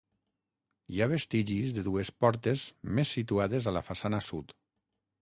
Hi ha vestigis de dues portes més situades a la façana sud.